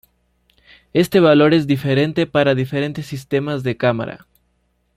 Este valor es diferente para diferentes sistemas de cámara.